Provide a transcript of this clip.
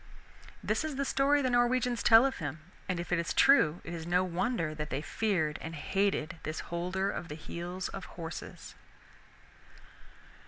This is the story the Norwegians tell of him, and if it is true it is no wonder that they feared and hated this Holder of the Heels of Horses.